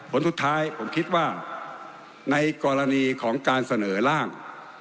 ผลสุดท้ายผมคิดว่าในกรณีของการเสนอร่าง